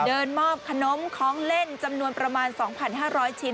เดินมอบขนมของเล่นจำนวนประมาณ๒๕๐๐ชิ้น